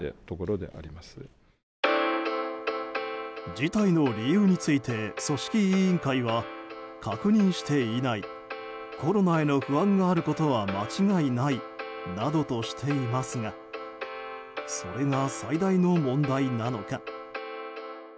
辞退の理由について組織委員会は確認していないコロナへの不安があることは間違いないなどとしていますがそれが最大の問題なのか。